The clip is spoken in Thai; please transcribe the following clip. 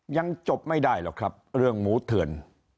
ยังจบไม่ได้หรอกครับเรื่องหมูเถื่อน